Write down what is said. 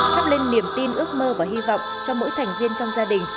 thắp lên niềm tin ước mơ và hy vọng cho mỗi thành viên trong gia đình